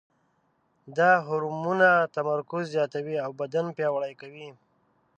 دا هورمونونه تمرکز زیاتوي او بدن پیاوړی کوي.